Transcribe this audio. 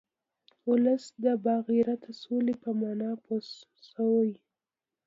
وس د باعزته سولی په معنا پوهه شوئ